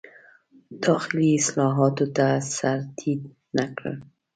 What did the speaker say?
داخلي اصلاحاتو ته سر ټیټ نه کړ.